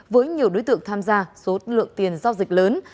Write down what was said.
với nhiều đối tượng tham gia số lượng tiền giao dịch lớn